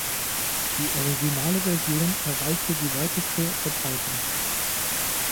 Die originale Version erreichte die weiteste Verbreitung.